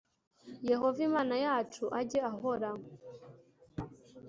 yehova imana yacu ajye ahora